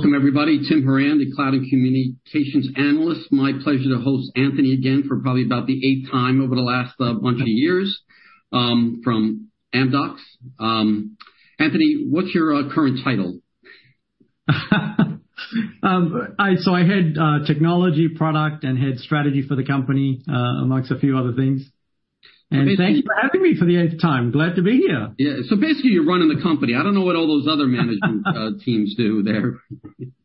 Welcome everybody, Tim Horan, the Cloud and Communications analyst. My pleasure to host Anthony again for probably about the eighth time over the last, bunch of years, from Amdocs. Anthony, what's your current title? I head Technology, Product, and Head Strategy for the company, among a few other things. And- Thank you for having me for the eighth time. Glad to be here. Yeah. So basically, you're running the company. I don't know what all those other management teams do there.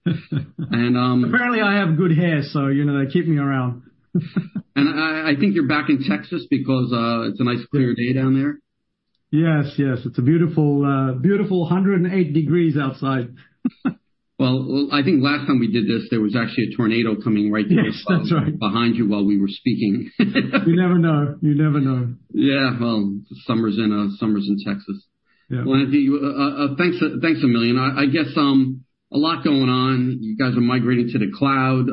And Apparently, I have good hair, so, you know, they keep me around. I think you're back in Texas because it's a nice clear day down there. Yes, yes, it's a beautiful, beautiful 108 degrees outside. Well, I think last time we did this, there was actually a tornado coming right behind you- Yes, that's right. behind you while we were speaking. You never know. You never know. Yeah, well, summer's in Texas. Yeah. Well, thanks a million. I guess a lot going on. You guys are migrating to the cloud.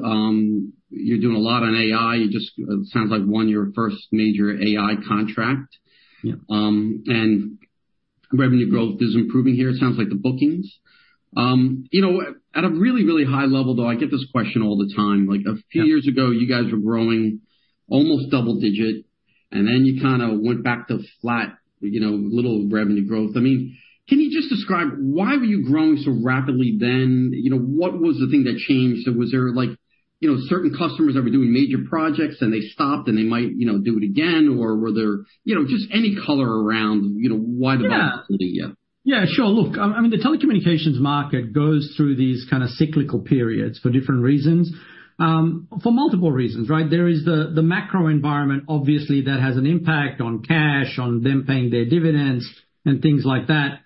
You're doing a lot on AI. You just sounds like won your first major AI contract. Yeah. Revenue growth is improving here. It sounds like the bookings. You know, at a really, really high level, though, I get this question all the time. Yeah. Like, a few years ago, you guys were growing almost double digit, and then you kind of went back to flat, you know, little revenue growth. I mean, can you just describe why were you growing so rapidly then? You know, what was the thing that changed? Was there, like, you know, certain customers that were doing major projects, and they stopped, and they might, you know, do it again? Or were there... You know, just any color around, you know, why the volatility? Yeah. Yeah, sure. Look, I mean, the telecommunications market goes through these kinda cyclical periods for different reasons, for multiple reasons, right? There is the macro environment, obviously, that has an impact on cash, on them paying their dividends and things like that,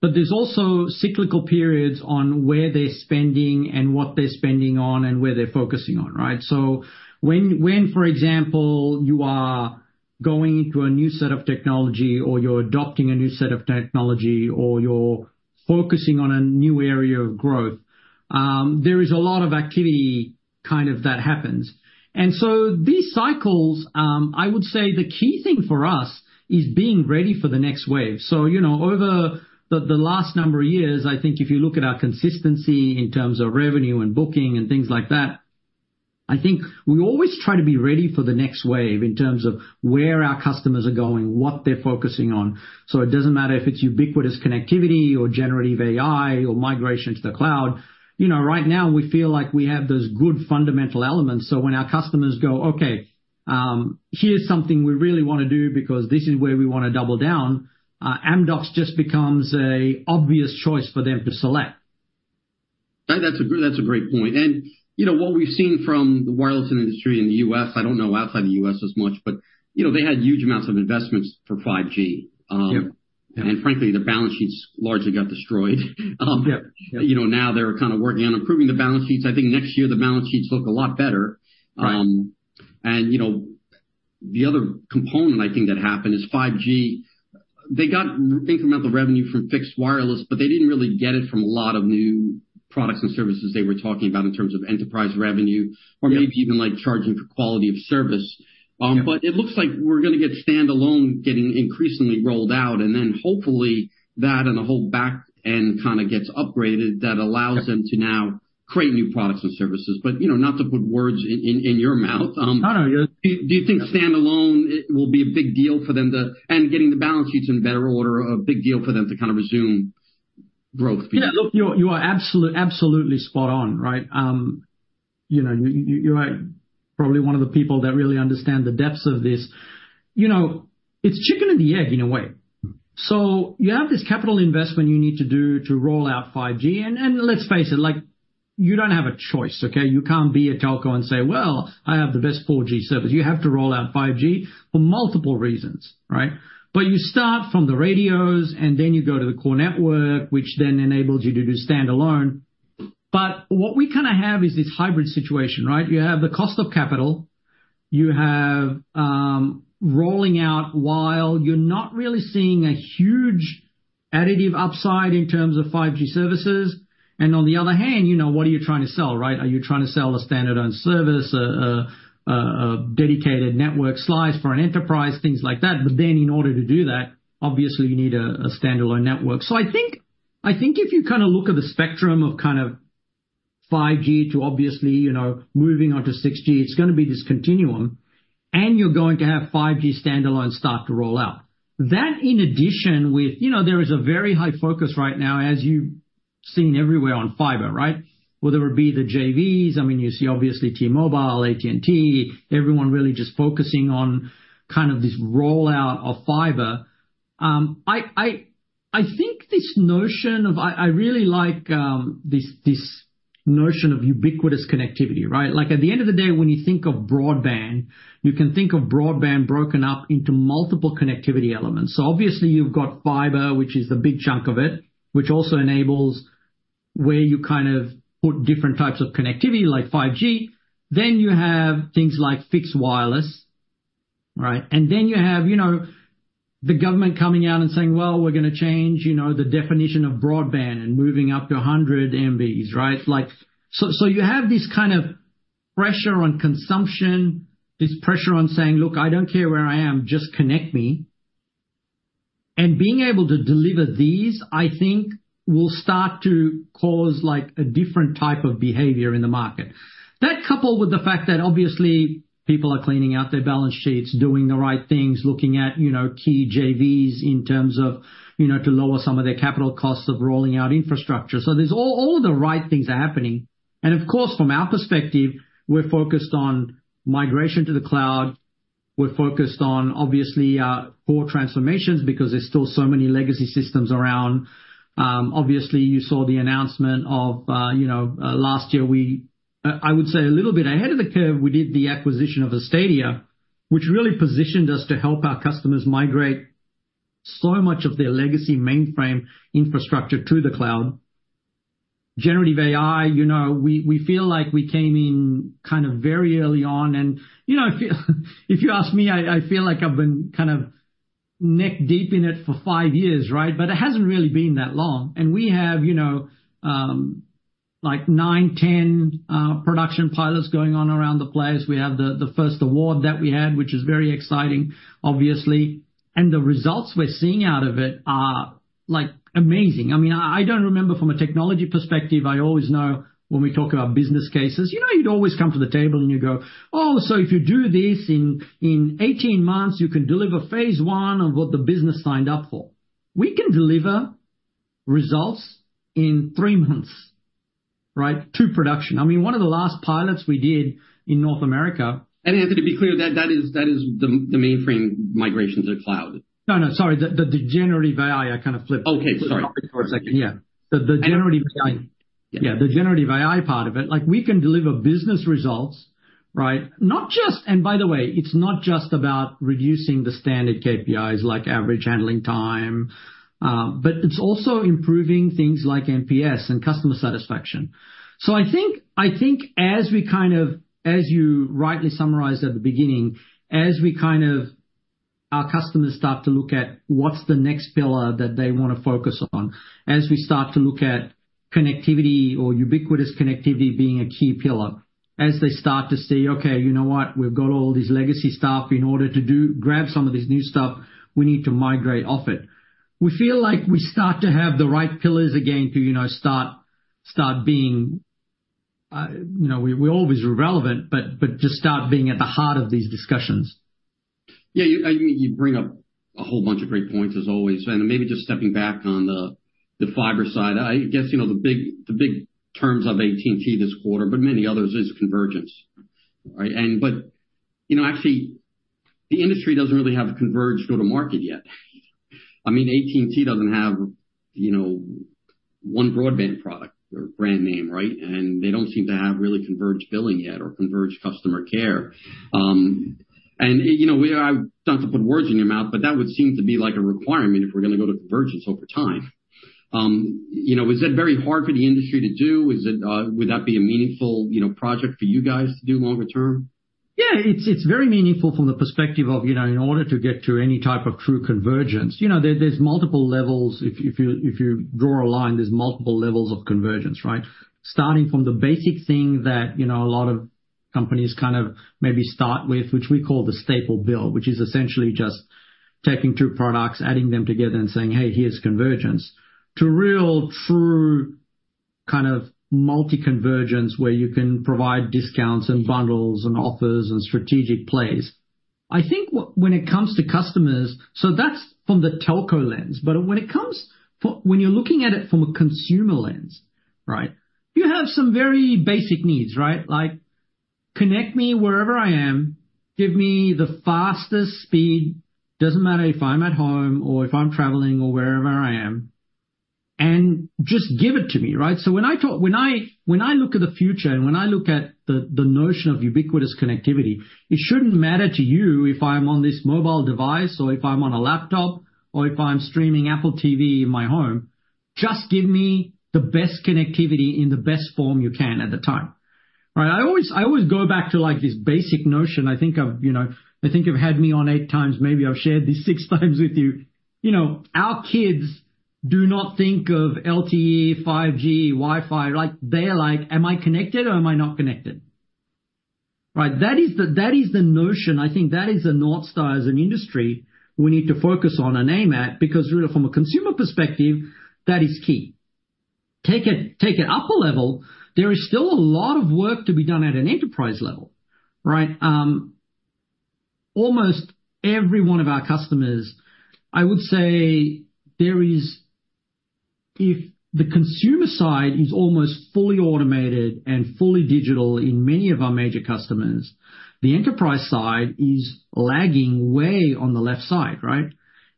but there's also cyclical periods on where they're spending and what they're spending on and where they're focusing on, right? So when, for example, you are going into a new set of technology or you're adopting a new set of technology or you're focusing on a new area of growth, there is a lot of activity kind of that happens. And so these cycles, I would say the key thing for us is being ready for the next wave. So, you know, over the last number of years, I think if you look at our consistency in terms of revenue and booking and things like that, I think we always try to be ready for the next wave in terms of where our customers are going, what they're focusing on. So it doesn't matter if it's ubiquitous connectivity or generative AI or migration to the cloud, you know, right now we feel like we have those good fundamental elements. So when our customers go, "Okay, here's something we really want to do because this is where we want to double down," Amdocs just becomes an obvious choice for them to select. I think that's a great point. And, you know, what we've seen from the wireless industry in the U.S., I don't know outside the U.S. as much, but, you know, they had huge amounts of investments for 5G. Yep. And frankly, the balance sheets largely got destroyed. Yep. You know, now they're kind of working on improving the balance sheets. I think next year, the balance sheets look a lot better. Right. You know, the other component, I think, that happened is 5G. They got incremental revenue from fixed wireless, but they didn't really get it from a lot of new products and services they were talking about in terms of enterprise revenue- Yeah. or maybe even, like, charging for quality of service. Yeah. But it looks like we're gonna get standalone getting increasingly rolled out, and then hopefully that and the whole back end kinda gets upgraded. Yep. That allows them to now create new products and services. But, you know, not to put words in your mouth. Oh, no. Do you think standalone it will be a big deal for them to... and getting the balance sheets in better order, a big deal for them to kind of resume growth? Yeah, look, you're absolutely spot on, right? You know, you are probably one of the people that really understand the depths of this. You know, it's chicken and the egg, in a way. So you have this capital investment you need to do to roll out 5G. And let's face it, like, you don't have a choice, okay? You can't be a telco and say, "Well, I have the best 4G service." You have to roll out 5G for multiple reasons, right? But you start from the radios, and then you go to the core network, which then enables you to do standalone. But what we kinda have is this hybrid situation, right? You have the cost of capital, you have rolling out while you're not really seeing a huge additive upside in terms of 5G services. And on the other hand, you know, what are you trying to sell, right? Are you trying to sell a standalone service, a dedicated network slice for an enterprise, things like that. But then, in order to do that, obviously, you need a standalone network. So I think, I think if you kind of look at the spectrum of kind of 5G to obviously, you know, moving on to 6G, it's gonna be this continuum, and you're going to have 5G standalone start to roll out. That, in addition with, you know, there is a very high focus right now, as you've seen everywhere, on fiber, right? Whether it be the JVs, I mean, you see obviously T-Mobile, AT&T, everyone really just focusing on kind of this rollout of fiber. I think this notion of... I really like this notion of ubiquitous connectivity, right? Like, at the end of the day, when you think of broadband, you can think of broadband broken up into multiple connectivity elements. So obviously, you've got fiber, which is the big chunk of it, which also enables where you kind of put different types of connectivity, like 5G. Then you have things like fixed wireless, right? And then you have, you know, the government coming out and saying, "Well, we're gonna change, you know, the definition of broadband and moving up to 100 Mbps," right? Like, so you have this kind of pressure on consumption, this pressure on saying, "Look, I don't care where I am, just connect me." And being able to deliver these, I think, will start to cause, like, a different type of behavior in the market. That, coupled with the fact that obviously people are cleaning out their balance sheets, doing the right things, looking at, you know, key JVs in terms of, you know, to lower some of their capital costs of rolling out infrastructure. So there's all, all the right things are happening. And of course, from our perspective, we're focused on migration to the cloud. We're focused on, obviously, core transformations, because there's still so many legacy systems around. Obviously, you saw the announcement of, you know, last year, we—I would say a little bit ahead of the curve, we did the acquisition of Astadia, which really positioned us to help our customers migrate so much of their legacy mainframe infrastructure to the cloud. Generative AI, you know, we feel like we came in kind of very early on, and, you know, if you ask me, I feel like I've been kind of neck-deep in it for five years, right? But it hasn't really been that long. And we have, you know, like nine, 10 production pilots going on around the place. We have the first award that we had, which is very exciting, obviously. And the results we're seeing out of it are, like, amazing. I mean, I don't remember from a technology perspective, I always know when we talk about business cases, you know, you'd always come to the table and you go: Oh, so if you do this, in, in 18 months, you can deliver phase one of what the business signed up for. We can deliver results in three months, right? To production. I mean, one of the last pilots we did in North America- And to be clear, that is the mainframe migration to the cloud? No, no, sorry. The Generative AI. I kind of flipped- Okay, sorry. For a second. Yeah. The Generative AI. Yeah, the Generative AI part of it. Like, we can deliver business results, right? Not just, and by the way, it's not just about reducing the standard KPIs like average handling time, but it's also improving things like NPS and customer satisfaction. So I think, I think as we kind of, as you rightly summarized at the beginning, as we kind of... Our customers start to look at what's the next pillar that they want to focus on, as we start to look at connectivity or ubiquitous connectivity being a key pillar, as they start to see, okay, you know what? We've got all this legacy stuff. In order to do, grab some of this new stuff, we need to migrate off it. We feel like we start to have the right pillars again to, you know, start being, you know, we always were relevant, but just start being at the heart of these discussions. Yeah, you bring up a whole bunch of great points, as always, and maybe just stepping back on the fiber side. I guess, you know, the big terms of AT&T this quarter, but many others, is convergence, right? But, you know, actually, the industry doesn't really have a converged go-to-market yet. I mean, AT&T doesn't have, you know, one broadband product or brand name, right? And they don't seem to have really converged billing yet or converged customer care. And, you know, not to put words in your mouth, but that would seem to be like a requirement if we're going to go to convergence over time. You know, is that very hard for the industry to do? Would that be a meaningful, you know, project for you guys to do longer term? Yeah, it's very meaningful from the perspective of, you know, in order to get to any type of true convergence. You know, there's multiple levels if you draw a line, there's multiple levels of convergence, right? Starting from the basic thing that, you know, a lot of companies kind of maybe start with, which we call the staple build, which is essentially just taking two products, adding them together and saying, "Hey, here's convergence," to real, true kind of multi-convergence, where you can provide discounts and bundles and offers and strategic plays. I think what, when it comes to customers, so that's from the telco lens, but when it comes from the consumer lens. When you're looking at it from a consumer lens, right? You have some very basic needs, right? Like, connect me wherever I am, give me the fastest speed. Doesn't matter if I'm at home or if I'm traveling or wherever I am, and just give it to me, right? So when I talk – when I look at the future and when I look at the notion of ubiquitous connectivity, it shouldn't matter to you if I'm on this mobile device or if I'm on a laptop or if I'm streaming Apple TV in my home. Just give me the best connectivity in the best form you can at the time. Right? I always go back to, like, this basic notion. I think I've, you know, I think you've had me on eight times, maybe I've shared this six times with you. You know, our kids do not think of LTE, 5G, Wi-Fi. Like, they're like: Am I connected or am I not connected? Right. That is the notion. I think that is the North Star as an industry we need to focus on and aim at, because really, from a consumer perspective, that is key. Take it, take it up a level, there is still a lot of work to be done at an enterprise level, right? Almost every one of our customers, I would say, if the consumer side is almost fully automated and fully digital in many of our major customers, the enterprise side is lagging way on the left side, right?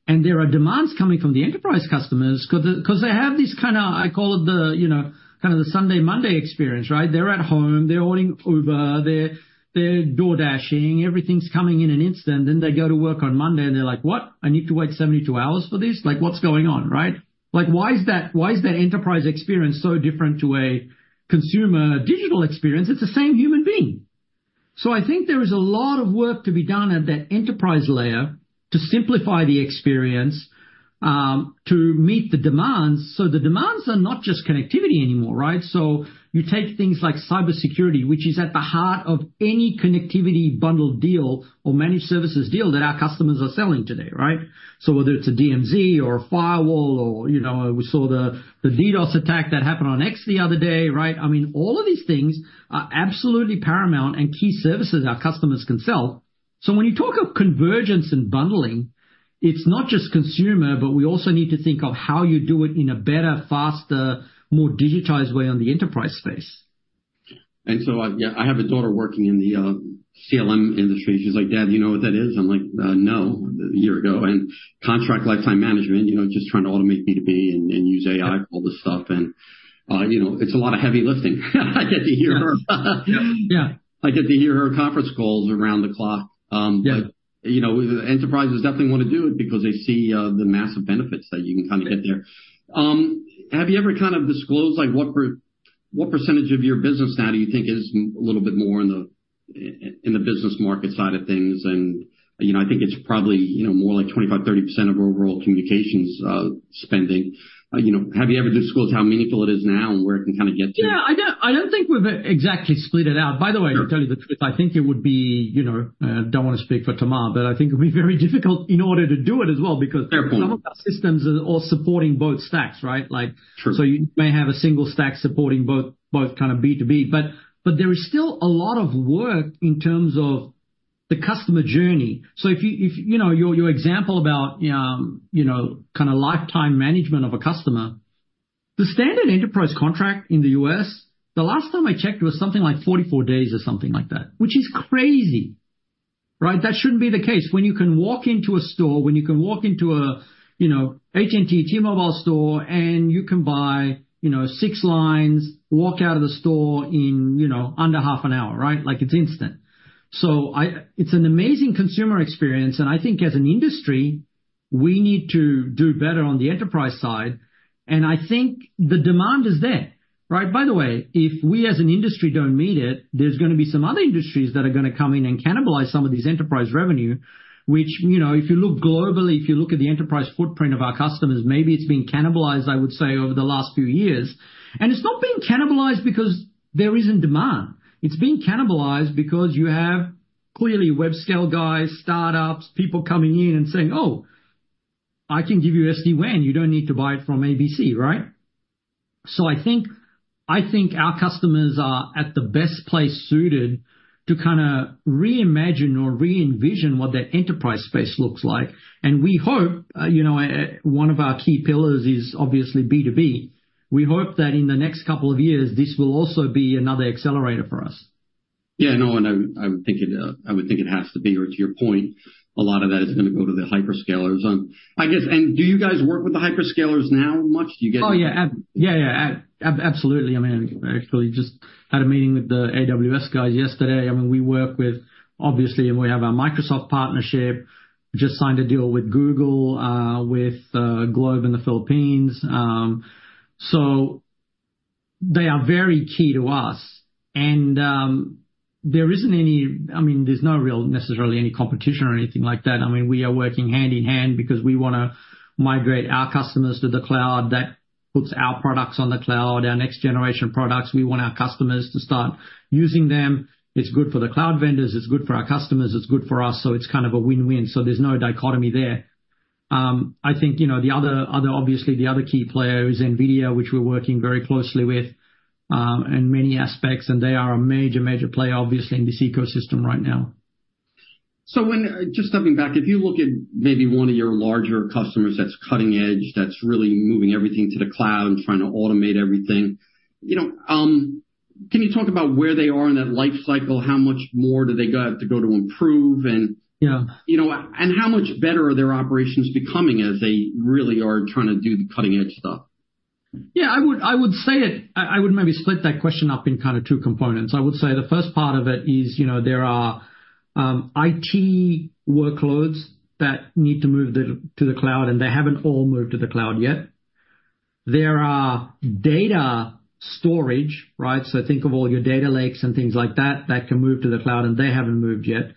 And there are demands coming from the enterprise customers, because the, because they have this kind of, I call it the, you know, kind of the Sunday/Monday experience, right? They're at home, they're ordering Uber, they're, they're DoorDashing, everything's coming in an instant. Then they go to work on Monday, and they're like: What? I need to wait 72 hours for this? Like, what's going on, right? Like, why is that, why is that enterprise experience so different to a consumer digital experience? It's the same human being.... So I think there is a lot of work to be done at that enterprise layer to simplify the experience, to meet the demands. So the demands are not just connectivity anymore, right? So you take things like cybersecurity, which is at the heart of any connectivity bundled deal or managed services deal that our customers are selling today, right? So whether it's a DMZ or a firewall or, you know, we saw the DDoS attack that happened on X the other day, right? I mean, all of these things are absolutely paramount and key services our customers can sell. When you talk of convergence and bundling, it's not just consumer, but we also need to think of how you do it in a better, faster, more digitized way on the enterprise space. So, yeah, I have a daughter working in the CLM industry, and she's like: "Dad, do you know what that is?" I'm like, "No," a year ago, and contract lifecycle management, you know, just trying to automate B2B and use AI, all this stuff, and you know, it's a lot of heavy lifting. I get to hear her. Yeah. I get to hear her conference calls around the clock. Yeah. But, you know, enterprises definitely wanna do it because they see the massive benefits that you can kind of get there. Have you ever kind of disclosed, like, what percentage of your business now do you think is a little bit more in the business market side of things? And, you know, I think it's probably, you know, more like 25-30% of overall communications spending. You know, have you ever disclosed how meaningful it is now and where it can kind of get to? Yeah, I don't, I don't think we've exactly split it out. Sure. By the way, to tell you the truth, I think it would be, you know, I don't wanna speak for Tamar, but I think it would be very difficult in order to do it as well, because- Fair point. some of our systems are all supporting both stacks, right? Like Sure. So you may have a single stack supporting both, both kind of B2B. But, but there is still a lot of work in terms of the customer journey. So if you know, your example about, you know, kinda lifetime management of a customer, the standard enterprise contract in the U.S., the last time I checked, it was something like 44 days or something like that, which is crazy, right? That shouldn't be the case. When you can walk into a store, when you can walk into a, you know, AT&T, T-Mobile store, and you can buy, you know, 6 lines, walk out of the store in, you know, under half an hour, right? Like, it's instant. So I... It's an amazing consumer experience, and I think as an industry, we need to do better on the enterprise side, and I think the demand is there, right? By the way, if we as an industry don't meet it, there's gonna be some other industries that are gonna come in and cannibalize some of these enterprise revenue, which, you know, if you look globally, if you look at the enterprise footprint of our customers, maybe it's been cannibalized, I would say, over the last few years. It's not being cannibalized because there isn't demand. It's being cannibalized because you have, clearly, web-scale guys, startups, people coming in and saying: "Oh, I can give you SD-WAN. You don't need to buy it from ABC," right? So I think, I think our customers are at the best place suited to kinda reimagine or re-envision what that enterprise space looks like. We hope, you know, one of our key pillars is obviously B2B. We hope that in the next couple of years, this will also be another accelerator for us. Yeah, no, and I would think it has to be, or to your point, a lot of that is gonna go to the hyperscalers. I guess... And do you guys work with the hyperscalers now much? Do you get- Oh, yeah. Absolutely. I mean, I actually just had a meeting with the AWS guys yesterday. I mean, we work with, obviously, and we have our Microsoft partnership, just signed a deal with Google, with Globe in the Philippines. So they are very key to us, and there isn't any. I mean, there's no real, necessarily any competition or anything like that. I mean, we are working hand in hand because we wanna migrate our customers to the cloud. That puts our products on the cloud, our next generation products. We want our customers to start using them. It's good for the cloud vendors, it's good for our customers, it's good for us, so it's kind of a win-win, so there's no dichotomy there. I think, you know, the other, obviously, the other key player is NVIDIA, which we're working very closely with, in many aspects, and they are a major, major player, obviously, in this ecosystem right now. So when, just stepping back, if you look at maybe one of your larger customers that's cutting edge, that's really moving everything to the cloud and trying to automate everything, you know, can you talk about where they are in that life cycle? How much more do they got to go to improve, and- Yeah. You know, and how much better are their operations becoming as they really are trying to do the cutting-edge stuff? Yeah, I would say it. I would maybe split that question up in kind of two components. I would say the first part of it is, you know, there are IT workloads that need to move to the cloud, and they haven't all moved to the cloud yet. There are data storage, right? So think of all your data lakes and things like that, that can move to the cloud, and they haven't moved yet.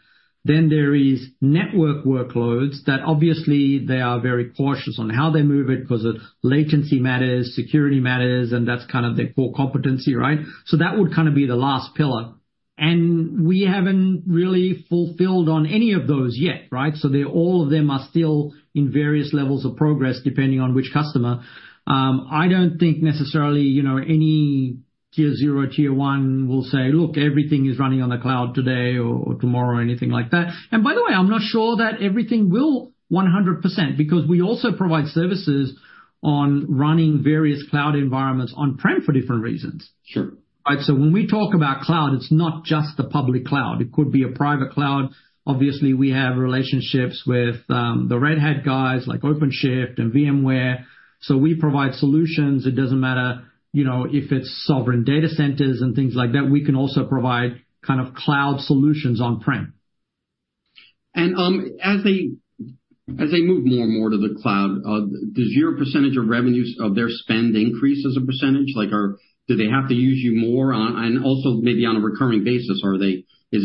Then there is network workloads that obviously they are very cautious on how they move it, 'cause latency matters, security matters, and that's kind of their core competency, right? So that would kind of be the last pillar, and we haven't really fulfilled on any of those yet, right? So they, all of them are still in various levels of progress, depending on which customer. I don't think necessarily, you know, any Tier 0, Tier 1 will say, "Look, everything is running on the cloud today or tomorrow," or anything like that. And by the way, I'm not sure that everything will 100%, because we also provide services on running various cloud environments on-prem for different reasons. Sure. Right? So when we talk about cloud, it's not just the public cloud. It could be a private cloud. Obviously, we have relationships with the Red Hat guys, like OpenShift and VMware, so we provide solutions. It doesn't matter, you know, if it's sovereign data centers and things like that, we can also provide kind of cloud solutions on-prem.... And, as they move more and more to the cloud, does your percentage of revenues of their spend increase as a percentage? Like, do they have to use you more on, and also maybe on a recurring basis, is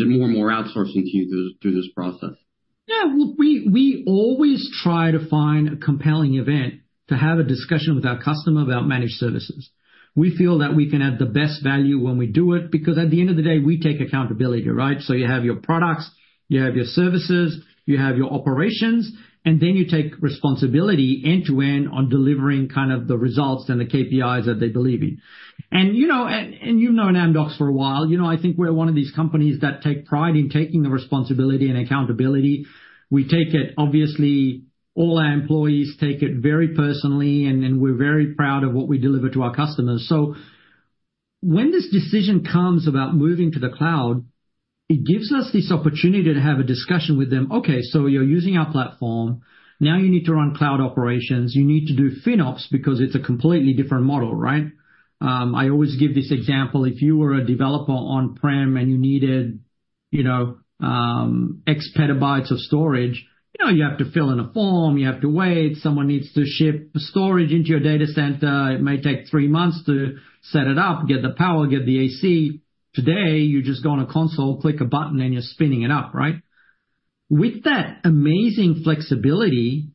it more and more outsourcing to you through this process? Yeah, well, we always try to find a compelling event to have a discussion with our customer about managed services. We feel that we can add the best value when we do it, because at the end of the day, we take accountability, right? So you have your products, you have your services, you have your operations, and then you take responsibility end-to-end on delivering kind of the results and the KPIs that they believe in. And, you know, you've known Amdocs for a while. You know, I think we're one of these companies that take pride in taking the responsibility and accountability. We take it, obviously, all our employees take it very personally, and then we're very proud of what we deliver to our customers. So when this decision comes about moving to the cloud, it gives us this opportunity to have a discussion with them. Okay, so you're using our platform. Now you need to run cloud operations. You need to do FinOps because it's a completely different model, right? I always give this example: If you were a developer on-prem and you needed, you know, X petabytes of storage, you know, you have to fill in a form, you have to wait, someone needs to ship the storage into your data center. It may take three months to set it up, get the power, get the AC. Today, you just go on a console, click a button, and you're spinning it up, right? With that amazing flexibility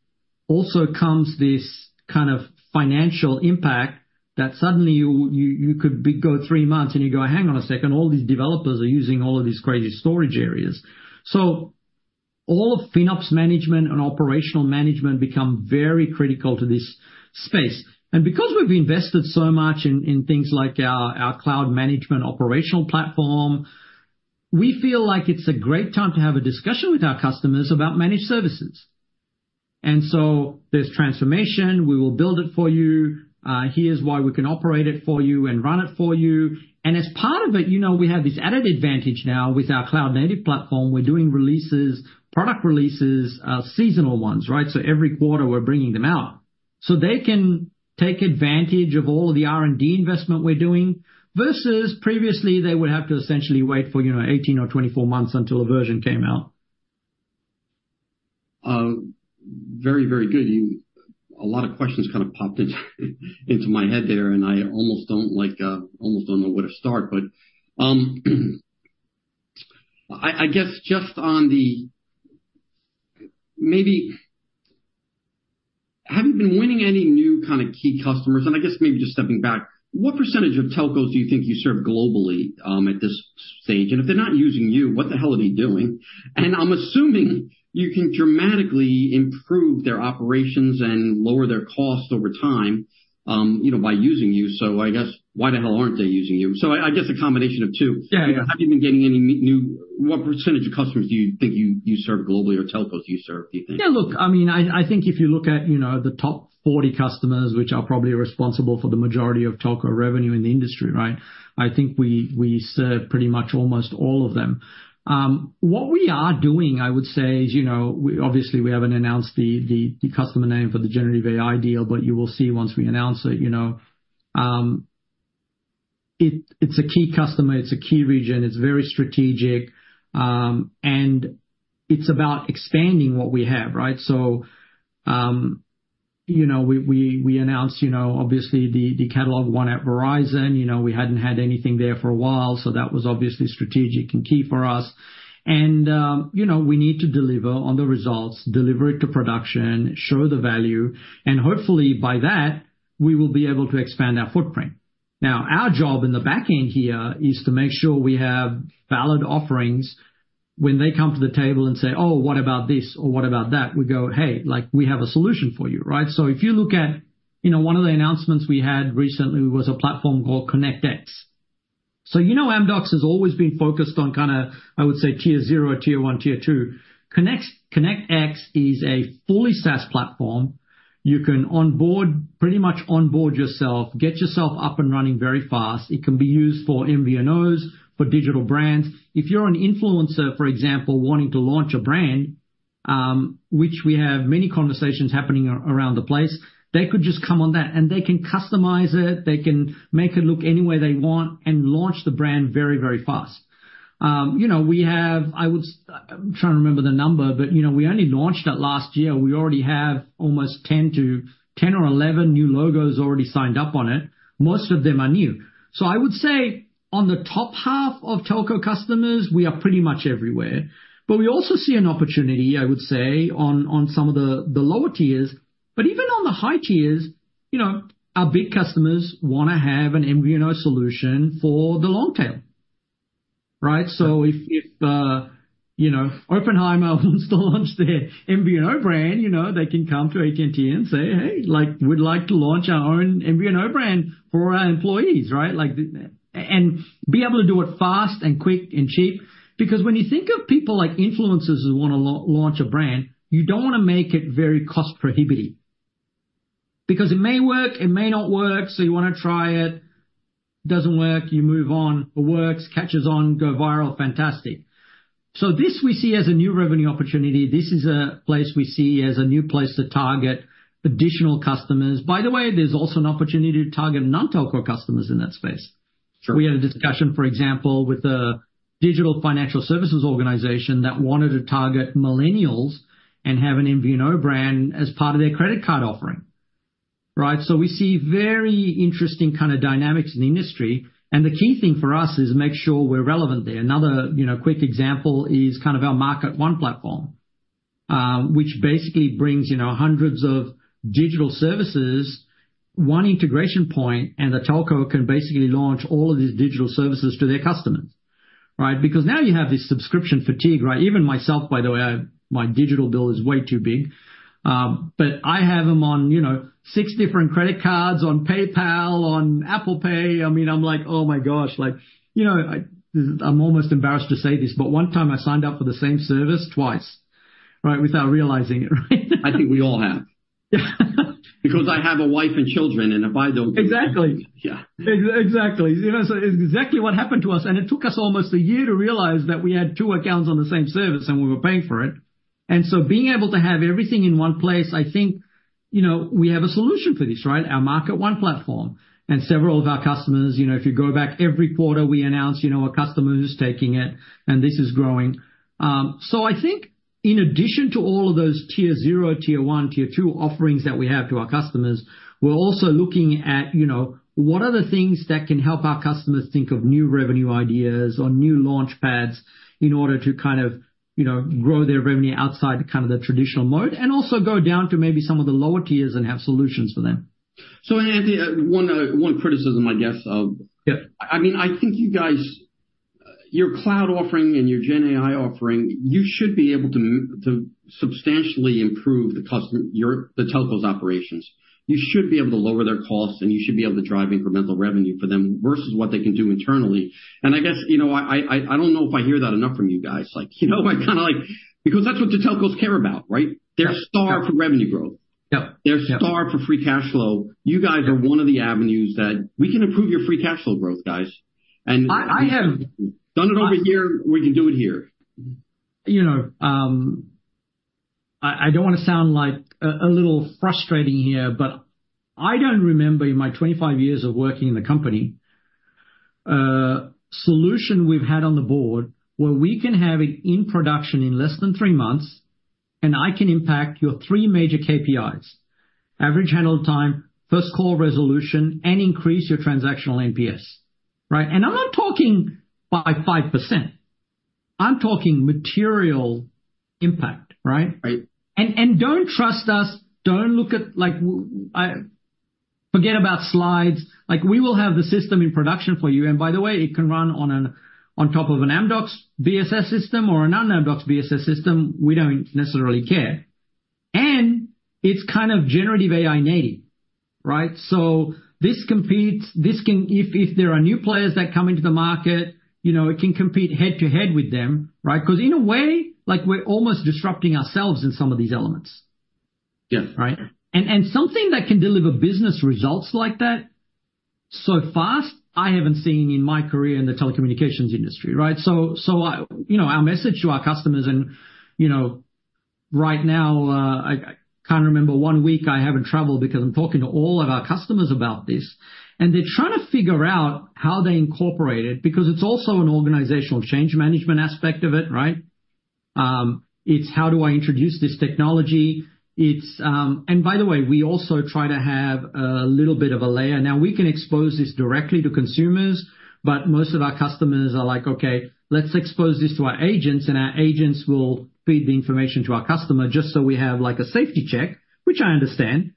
also comes this kind of financial impact that suddenly you could go three months, and you go, "Hang on a second, all these developers are using all of these crazy storage areas." So all of FinOps management and operational management become very critical to this space. And because we've invested so much in things like our cloud management operational platform, we feel like it's a great time to have a discussion with our customers about managed services. And so there's transformation. We will build it for you. Here's why we can operate it for you and run it for you. And as part of it, you know, we have this added advantage now with our cloud-native platform. We're doing releases, product releases, seasonal ones, right? So every quarter, we're bringing them out, so they can take advantage of all the R&D investment we're doing, versus previously, they would have to essentially wait for, you know, 18 or 24 months until a version came out. Very, very good. A lot of questions kind of popped into, into my head there, and I almost don't like, almost don't know where to start. But, I, I guess just on the... Maybe, have you been winning any new kind of key customers? And I guess maybe just stepping back, what percentage of telcos do you think you serve globally, at this stage? And if they're not using you, what the hell are they doing? And I'm assuming you can dramatically improve their operations and lower their costs over time, you know, by using you, so I guess, why the hell aren't they using you? So I, I guess a combination of two. Yeah, yeah. Have you been getting any new... What percentage of customers do you think you serve globally, or telcos you serve, do you think? Yeah, look, I mean, I think if you look at, you know, the top 40 customers, which are probably responsible for the majority of telco revenue in the industry, right? I think we serve pretty much almost all of them. What we are doing, I would say, is, you know, we obviously haven't announced the customer name for the generative AI deal, but you will see once we announce it, you know. It’s a key customer, it’s a key region, it’s very strategic, and it’s about expanding what we have, right? So, you know, we announced, you know, obviously the catalog win at Verizon. You know, we hadn't had anything there for a while, so that was obviously strategic and key for us. You know, we need to deliver on the results, deliver it to production, show the value, and hopefully by that, we will be able to expand our footprint. Now, our job in the back end here is to make sure we have valid offerings when they come to the table and say, "Oh, what about this? Or what about that?" We go, "Hey, like, we have a solution for you," right? So if you look at, you know, one of the announcements we had recently was a platform called ConnectX. So, you know, Amdocs has always been focused on kind of, I would say, Tier 0, Tier 1, Tier 2. ConnectX is a fully SaaS platform. You can onboard, pretty much onboard yourself, get yourself up and running very fast. It can be used for MVNOs, for digital brands. If you're an influencer, for example, wanting to launch a brand, which we have many conversations happening around the place, they could just come on that, and they can customize it, they can make it look any way they want and launch the brand very, very fast. You know, we have, I would... I'm trying to remember the number, but, you know, we only launched it last year. We already have almost 10 or 11 new logos already signed up on it. Most of them are new. So I would say on the top half of telco customers, we are pretty much everywhere. But we also see an opportunity, I would say, on some of the lower tiers, but even on the high tiers, you know, our big customers wanna have an MVNO solution for the long tail, right? So if you know, Oppenheimer wants to launch their MVNO brand, you know, they can come to AT&T and say, "Hey, like, we'd like to launch our own MVNO brand for our employees," right? Like, and be able to do it fast and quick and cheap. Because when you think of people like influencers who wanna launch a brand, you don't want to make it very cost-prohibitive. Because it may work, it may not work, so you wanna try it. Doesn't work, you move on. It works, catches on, go viral, fantastic. So this we see as a new revenue opportunity. This is a place we see as a new place to target additional customers. By the way, there's also an opportunity to target non-telco customers in that space. We had a discussion, for example, with a digital financial services organization that wanted to target millennials and have an MVNO brand as part of their credit card offering, right? So we see very interesting kind of dynamics in the industry, and the key thing for us is make sure we're relevant there. Another, you know, quick example is kind of our MarketONE platform, which basically brings, you know, hundreds of digital services, one integration point, and the telco can basically launch all of these digital services to their customers, right? Because now you have this subscription fatigue, right? Even myself, by the way, I, my digital bill is way too big, but I have them on, you know, six different credit cards, on PayPal, on Apple Pay. I mean, I'm like, oh, my gosh! Like, you know, I, I'm almost embarrassed to say this, but one time I signed up for the same service twice, right, without realizing it, right? I think we all have. Yeah. Because I have a wife and children, and if I don't- Exactly. Yeah. Exactly. You know, so exactly what happened to us, and it took us almost a year to realize that we had two accounts on the same service, and we were paying for it. And so being able to have everything in one place, I think, you know, we have a solution for this, right? Our MarketONE platform. And several of our customers, you know, if you go back, every quarter, we announce, you know, a customer who's taking it, and this is growing. So, I think in addition to all of those Tier 0, Tier 1, Tier 2 offerings that we have to our customers, we're also looking at, you know, what are the things that can help our customers think of new revenue ideas or new launchpads in order to kind of, you know, grow their revenue outside kind of the traditional mode, and also go down to maybe some of the lower tiers and have solutions for them. So, Anthony, one criticism, I guess, of- Yeah. I mean, I think you guys, your cloud offering and your GenAI offering, you should be able to substantially improve the customer, your, the telco's operations. You should be able to lower their costs, and you should be able to drive incremental revenue for them versus what they can do internally. I guess, you know, I don't know if I hear that enough from you guys. Like, you know, I kind of like—because that's what the telcos care about, right? Yeah. They're starved for revenue growth. Yeah. They're starved for free cash flow. You guys are one of the avenues that we can improve your free cash flow growth, guys. And- I have- Done it over here, we can do it here. You know, I don't wanna sound like a little frustrating here, but I don't remember in my 25 years of working in the company, a solution we've had on the board where we can have it in production in less than three months, and I can impact your three major KPIs: average handling time, first call resolution, and increase your transactional NPS, right? And I'm not talking by 5%. I'm talking material impact, right? Right. Don't trust us, don't look at... Like, forget about slides. Like, we will have the system in production for you, and by the way, it can run on an, on top of an Amdocs BSS system or a non-Amdocs BSS system. We don't necessarily care. And it's kind of generative AI native, right? So this competes, this can if there are new players that come into the market, you know, it can compete head-to-head with them, right? Because in a way, like, we're almost disrupting ourselves in some of these elements. Yeah. Right? And something that can deliver business results like that so fast, I haven't seen in my career in the telecommunications industry, right? So I... You know, our message to our customers, and, you know, right now, I can't remember one week I haven't traveled, because I'm talking to all of our customers about this, and they're trying to figure out how they incorporate it, because it's also an organizational change management aspect of it, right? It's how do I introduce this technology? It's... And by the way, we also try to have a little bit of a layer. Now, we can expose this directly to consumers, but most of our customers are like, "Okay, let's expose this to our agents, and our agents will feed the information to our customer just so we have, like, a safety check," which I understand.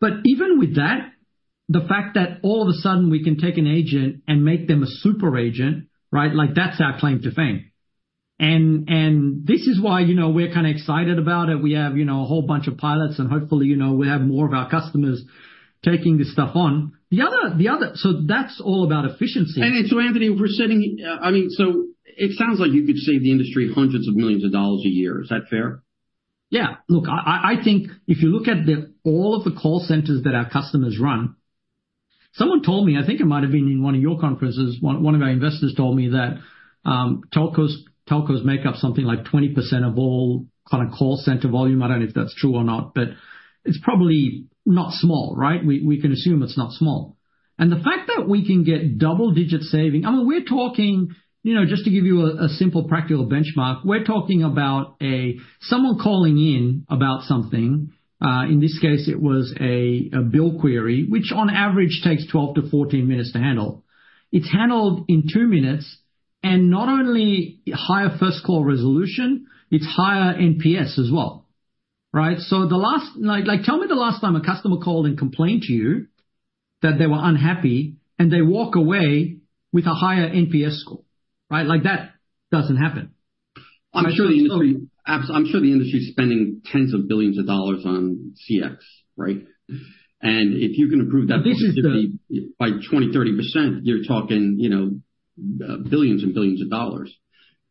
But even with that, the fact that all of a sudden we can take an agent and make them a super agent, right? Like, that's our claim to fame. And, and this is why, you know, we're kind of excited about it. We have, you know, a whole bunch of pilots, and hopefully, you know, we have more of our customers taking this stuff on. The other, the other—so that's all about efficiency. And so, Anthony, we're sitting, I mean, so it sounds like you could save the industry hundreds of millions of dollars a year. Is that fair? Yeah. Look, I think if you look at all of the call centers that our customers run... Someone told me, I think it might have been in one of your conferences, one of our investors told me that telcos make up something like 20% of all kind of call center volume. I don't know if that's true or not, but it's probably not small, right? We can assume it's not small. And the fact that we can get double-digit saving, I mean, we're talking, you know, just to give you a simple practical benchmark, we're talking about someone calling in about something, in this case, it was a bill query, which on average takes 12-14 minutes to handle. It's handled in 2 minutes, and not only higher first call resolution, it's higher NPS as well, right? Like, tell me the last time a customer called and complained to you that they were unhappy, and they walk away with a higher NPS score, right? Like, that doesn't happen. I'm sure the industry is spending tens of billions of dollars on CX, right? And if you can improve that by 20%, 30%, you're talking, you know, billions and billions of dollars.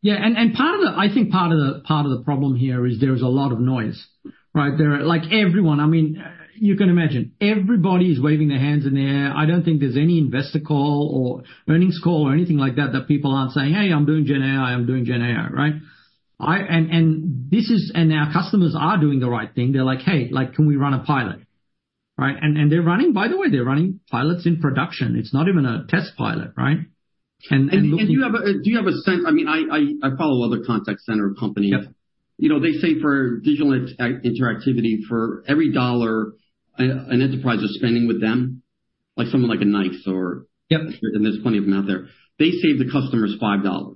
Yeah, and, and part of the—I think part of the, part of the problem here is there is a lot of noise, right? There are, like, everyone, I mean, you can imagine, everybody is waving their hands in the air. I don't think there's any investor call or earnings call or anything like that, that people aren't saying, "Hey, I'm doing GenAI, I'm doing GenAI," right? I... And, and this is—and our customers are doing the right thing. They're like: Hey, like, can we run a pilot?... Right, and, and they're running, by the way, they're running pilots in production. It's not even a test pilot, right? And, and looking- And do you have a sense, I mean, I follow other contact center companies. Yep. You know, they say for digital interactivity, for every dollar an enterprise is spending with them, like someone like a NICE or- Yep. There's plenty of them out there. They save the customers $5.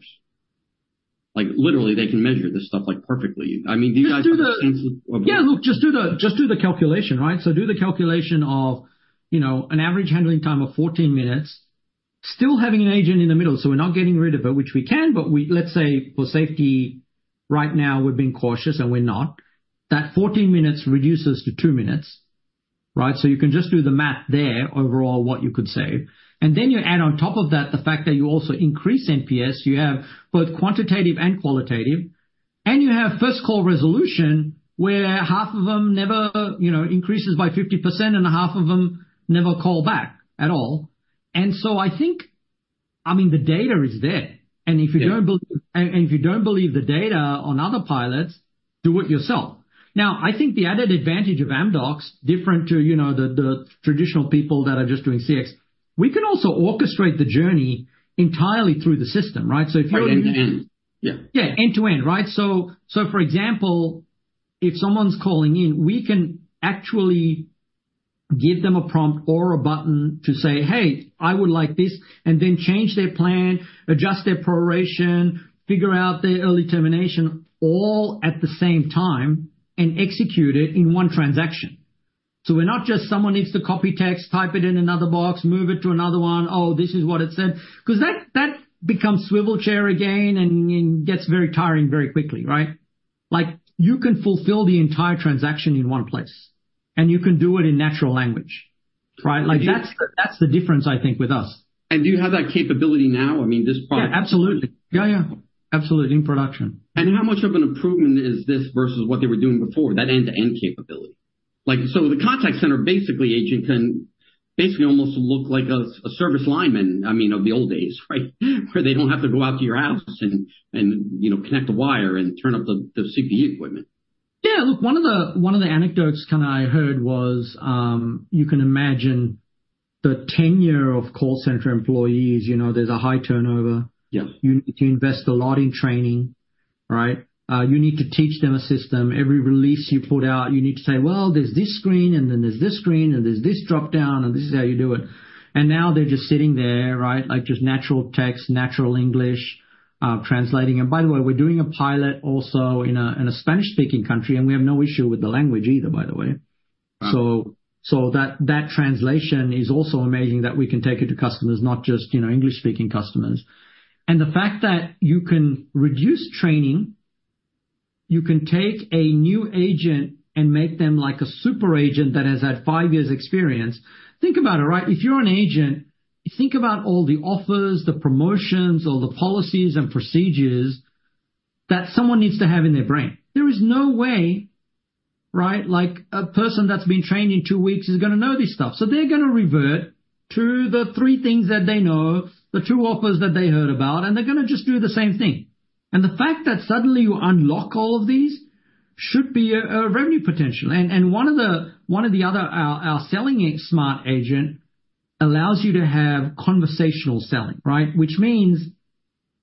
Like, literally, they can measure this stuff, like, perfectly. I mean, do you guys have a sense of, Yeah, look, just do the, just do the calculation, right? So do the calculation of, you know, an average handling time of 14 minutes, still having an agent in the middle, so we're not getting rid of it, which we can, but we... Let's say, for safety right now, we're being cautious, and we're not. That 14 minutes reduces to two minutes, right? So you can just do the math there overall, what you could save. And then you add on top of that the fact that you also increase NPS. You have both quantitative and qualitative, and you have first call resolution, where half of them never, you know, increases by 50%, and half of them never call back at all. And so I think, I mean, the data is there. Yeah. And if you don't believe the data on other pilots, do it yourself. Now, I think the added advantage of Amdocs, different to, you know, the traditional people that are just doing CX, we can also orchestrate the journey entirely through the system, right? So if you- End to end, yeah. Yeah, end to end, right? So, so for example, if someone's calling in, we can actually give them a prompt or a button to say, "Hey, I would like this," and then change their plan, adjust their proration, figure out their early termination, all at the same time and execute it in one transaction. So we're not just someone needs to copy, text, type it in another box, move it to another one, "Oh, this is what it said." 'Cause that, that becomes swivel chair again and, and gets very tiring very quickly, right? Like, you can fulfill the entire transaction in one place, and you can do it in natural language, right? Do you- Like, that's the, that's the difference, I think, with us. Do you have that capability now? I mean, this product- Yeah, absolutely. Yeah, yeah, absolutely, in production. How much of an improvement is this versus what they were doing before, that end-to-end capability? Like, so the contact center, basically, agent can basically almost look like a service lineman, I mean, of the old days, right? Where they don't have to go out to your house and you know, connect the wire and turn up the CPE equipment. Yeah. Look, one of the, one of the anecdotes kind of I heard was, you can imagine the tenure of call center employees, you know, there's a high turnover. Yeah. You invest a lot in training, right? You need to teach them a system. Every release you put out, you need to say, "Well, there's this screen, and then there's this screen, and there's this dropdown, and this is how you do it." And now they're just sitting there, right, like, just natural text, natural English, translating. And by the way, we're doing a pilot also in a Spanish-speaking country, and we have no issue with the language either, by the way. Wow! So that translation is also amazing that we can take it to customers, not just, you know, English-speaking customers. And the fact that you can reduce training, you can take a new agent and make them like a super agent that has had five years' experience. Think about it, right? If you're an agent, think about all the offers, the promotions, all the policies and procedures that someone needs to have in their brain. There is no way, right, like, a person that's been trained in two weeks is gonna know this stuff. So they're gonna revert to the three things that they know, the two offers that they heard about, and they're gonna just do the same thing. And the fact that suddenly you unlock all of these should be a revenue potential. And one of our selling in Smart Agent allows you to have conversational selling, right? Which means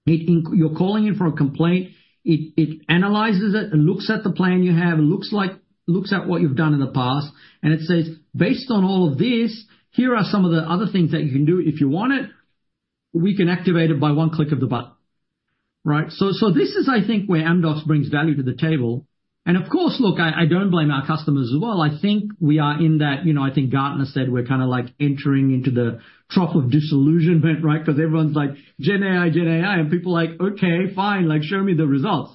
you're calling in for a complaint, it analyzes it, it looks at the plan you have, looks at what you've done in the past, and it says: "Based on all of this, here are some of the other things that you can do. If you want it, we can activate it by one click of the button," right? So this is, I think, where Amdocs brings value to the table. And of course, I don't blame our customers as well. I think we are in that, you know, I think Gartner said we're kind of, like, entering into the trough of disillusionment, right? Because everyone's like, "Gen AI, Gen AI," and people are like, "Okay, fine, like, show me the results."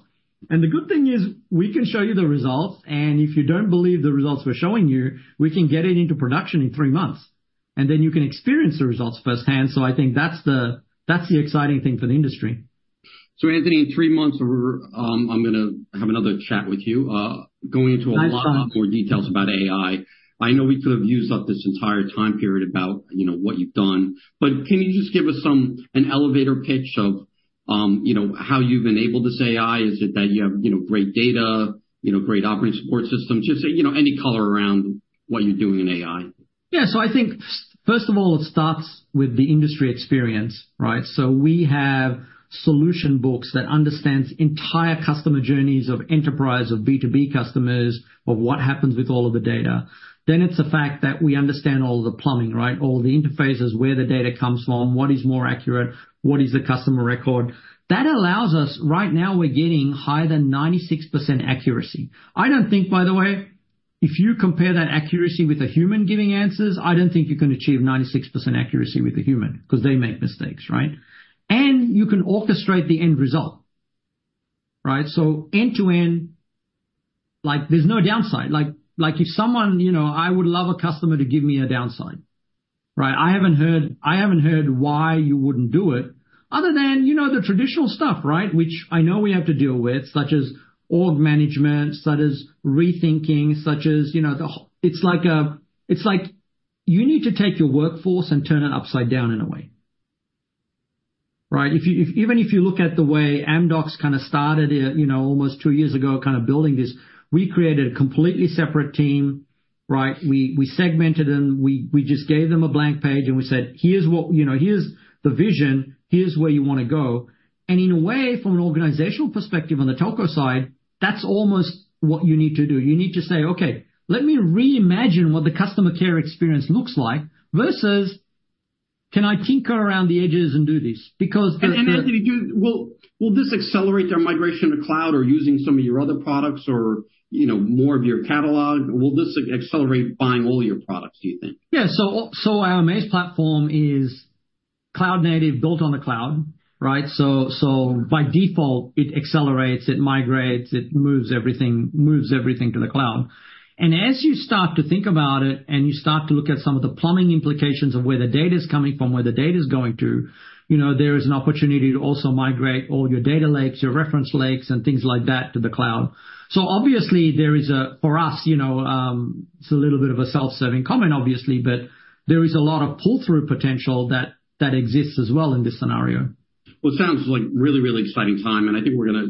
And the good thing is, we can show you the results, and if you don't believe the results we're showing you, we can get it into production in three months, and then you can experience the results firsthand. So I think that's the, that's the exciting thing for the industry. So, Anthony, in three months, I'm gonna have another chat with you, going into a lot- I'm sure. -more details about AI. I know we could have used up this entire time period about, you know, what you've done, but can you just give us some, an elevator pitch of, you know, how you've enabled this AI? Is it that you have, you know, great data, you know, great operating support system? Just, you know, any color around what you're doing in AI. Yeah. So I think, first of all, it starts with the industry experience, right? So we have solution books that understands entire customer journeys of enterprise, of B2B customers, of what happens with all of the data. Then it's the fact that we understand all the plumbing, right? All the interfaces, where the data comes from, what is more accurate, what is the customer record. That allows us, right now we're getting higher than 96% accuracy. I don't think, by the way, if you compare that accuracy with a human giving answers, I don't think you can achieve 96% accuracy with a human, 'cause they make mistakes, right? And you can orchestrate the end result, right? So end to end, like, there's no downside. Like, like, if someone... You know, I would love a customer to give me a downside, right? I haven't heard, I haven't heard why you wouldn't do it, other than, you know, the traditional stuff, right? Which I know we have to deal with, such as org management, such as rethinking, such as, you know, It's like a, it's like you need to take your workforce and turn it upside down in a way, right? If you, if, even if you look at the way Amdocs kind of started, you know, almost two years ago, kind of building this, we created a completely separate team, right? We, we segmented them. We, we just gave them a blank page, and we said, "Here's what... You know, here's the vision, here's where you wanna go." And in a way, from an organizational perspective on the telco side, that's almost what you need to do. You need to say, "Okay, let me reimagine what the customer care experience looks like," versus, "Can I tinker around the edges and do this?" Because the- And Anthony, will this accelerate their migration to cloud or using some of your other products or, you know, more of your catalog? Will this accelerate buying all your products, do you think? Yeah. So, so our amAIz platform is cloud-native, built on the cloud, right? So, so by default, it accelerates, it migrates, it moves everything, moves everything to the cloud. And as you start to think about it and you start to look at some of the plumbing implications of where the data is coming from, where the data is going to, you know, there is an opportunity to also migrate all your data lakes, your reference lakes, and things like that to the cloud. So obviously, there is a, for us, you know, it's a little bit of a self-serving comment, obviously, but there is a lot of pull-through potential that, that exists as well in this scenario. Well, it sounds like really, really exciting time, and I think we're gonna.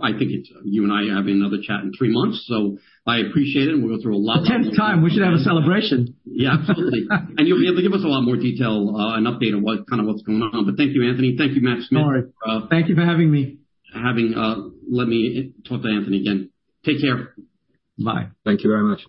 I think it's you and I having another chat in three months. So I appreciate it, and we'll go through a lot more- The tenth time. We should have a celebration. Yeah, absolutely. You'll be able to give us a lot more detail, and update on what, kind of what's going on. But thank you, Anthony. Thank you, Matt Smith. All right. Thank you for having me. Let me talk to Anthony again. Take care. Bye. Thank you very much.